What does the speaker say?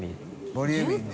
ボリューミーね。